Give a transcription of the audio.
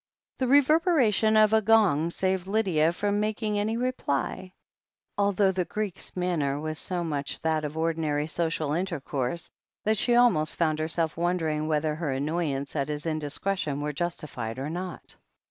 The reverberation of a gong saved Lydia from mak ing any reply, although the Greek's manner was so much tiiat of ordinary social intercourse that she almost found herself wondering whether her annoyance at his indiscretion were justified or not.